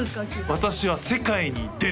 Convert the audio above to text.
私は世界に出る！